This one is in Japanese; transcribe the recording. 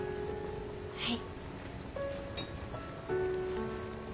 はい。